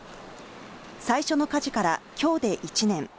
最初の火事からきょうで１年。